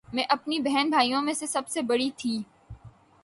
میں اپنے بہن بھائیوں میں سب سے بڑی تھی